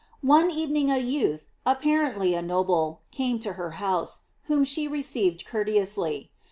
One evening a youth, apparently a noble, came to her house, whom she received cour teously.